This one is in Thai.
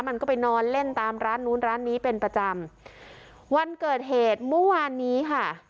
มันก็ไปนอนเล่นตามร้านนู้นร้านนี้เป็นประจำวันเกิดเหตุเมื่อวานนี้ค่ะ